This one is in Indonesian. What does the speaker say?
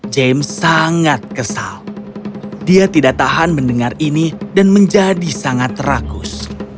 james sangat kesal dia tidak tahan mendengar ini dan menjadi sangat ragus